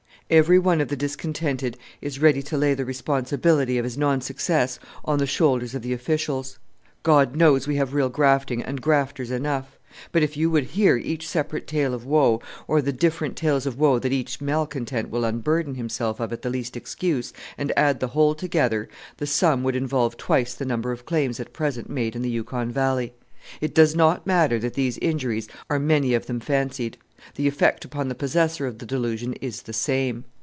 Every one of the discontented is ready to lay the responsibility of his non success on the shoulders of the officials. God knows we have real grafting and grafters enough; but if you would hear each separate tale of woe, or the different tales of woe that each malcontent will unburden himself of at the least excuse, and add the whole together, the sum would involve twice the number of claims at present made in the Yukon Valley. It does not matter that these injuries are many of them fancied: the effect upon the possessor of the delusion is the same.